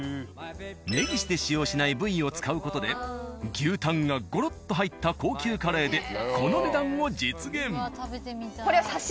「ねぎし」で使用しない部位を使う事で牛タンがゴロッと入った高級カレーでこの値段を実現。